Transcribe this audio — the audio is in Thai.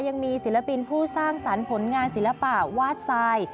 ยังมีศิลปินผู้สร้างสรรค์ผลงานศิลปะวาดทราย